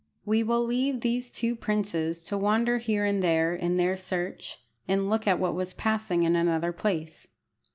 We will leave these two princes to wander here and there in their search, and look at what was passing in another place.